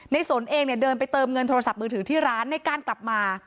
สนเองเนี่ยเดินไปเติมเงินโทรศัพท์มือถือที่ร้านในก้านกลับมา